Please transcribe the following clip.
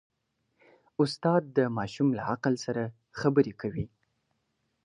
استاد د ماشوم له عقل سره خبرې کوي.